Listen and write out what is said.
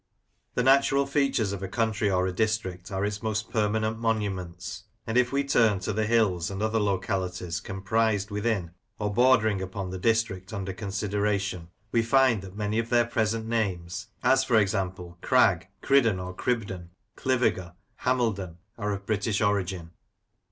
The natural features of a country or a district are its most permanent monuments; and if we turn to the hills and other localities comprised within or bordering upon the district under consideration, we find that many of their present names — as, for example. Crag, Cridden or Cribden, Cliviger, Hameldon — are of British origin.